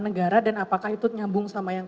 negara dan apakah itu nyambung sama yang